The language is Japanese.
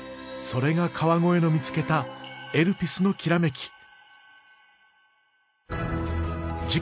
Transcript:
それが川越の見つけたエルピスの煌めき。